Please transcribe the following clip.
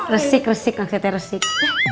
resik resik maksudnya resik